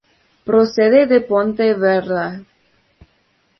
Procede de Pontevedra.